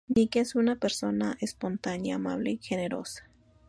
Nikki es una persona espontánea, amable y generosa.